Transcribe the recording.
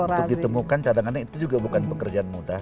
untuk ditemukan cadangannya itu juga bukan pekerjaan mudah